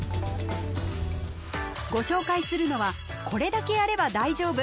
ご紹介するのはこれだけやれば大丈夫！